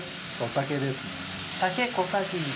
酒ですね。